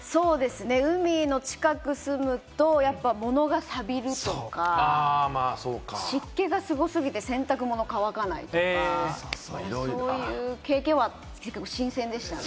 海の近くに住むと、物がサビるとか、湿気がすごすぎて洗濯物が乾かないとか、そういう経験は新鮮でしたね。